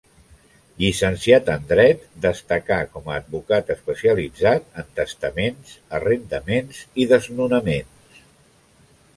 Llicenciat en dret, destacà com a advocat especialitzat en testaments, arrendaments i desnonaments.